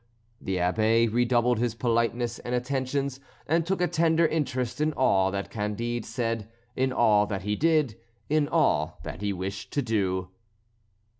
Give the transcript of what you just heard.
The Abbé redoubled his politeness and attentions, and took a tender interest in all that Candide said, in all that he did, in all that he wished to do.